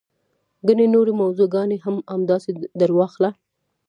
ګڼې نورې موضوع ګانې هم همداسې درواخله.